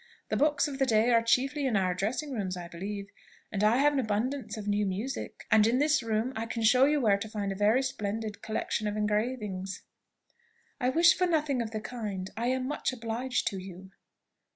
The books of the day are chiefly in our dressing rooms, I believe and I have abundance of new music and in this room I can show you where to find a very splendid collection of engravings." "I wish for nothing of the kind, I am much obliged to you."